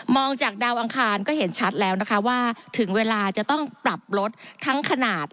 จากดาวอังคารก็เห็นชัดแล้วนะคะว่าถึงเวลาจะต้องปรับลดทั้งขนาด